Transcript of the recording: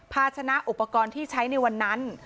ภาชนะอุปกรณ์ที่ใช้ในวันนั้น